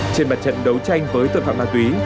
trên mặt trận đấu tranh với tội phạm ma túy